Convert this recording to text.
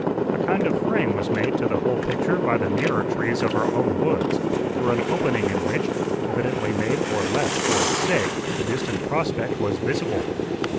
A kind of frame was made to the whole picture by the nearer trees of our own woods, through an opening in which, evidently made or left for its sake, the distant prospect was visible.